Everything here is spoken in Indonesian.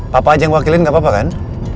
papa aja yang mewakilin gak apa apa kan